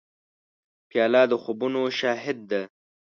پیاله د خوبونو شاهد ده.